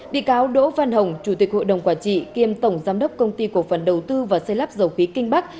bị cáo đỗ văn hồng chủ tịch hội đồng quản trị kiêm tổng giám đốc công ty cổ phần đầu tư và xây lắp dầu khí kinh bắc